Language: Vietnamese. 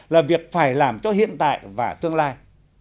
là việc phải làm cho hiện tại và tương lai